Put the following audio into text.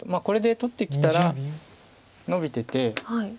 これで取ってきたらノビてて。